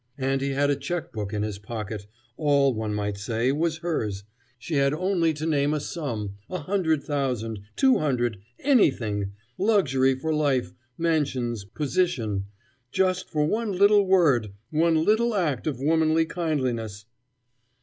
and he had a checkbook in his pocket all, one might say, was hers she had only to name a sum a hundred thousand, two hundred anything luxury for life, mansions, position just for one little word, one little act of womanly kindliness.